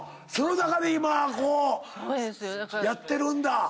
その中で今やってるんだ。